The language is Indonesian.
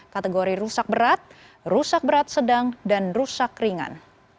kategori rusak berat rusak berat sedang dan rusak ringan